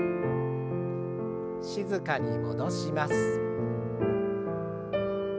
静かに戻します。